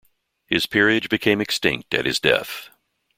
His peerage became extinct at his death.